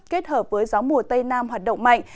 kết hợp với gió mùa tây nam hoạt động mạnh